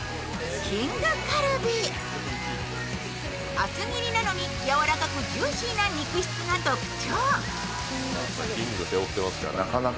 厚切りなのにやわらかくジューシーな肉質が特徴。